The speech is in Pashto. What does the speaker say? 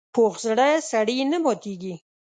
پوخ زړه سړي نه ماتېږي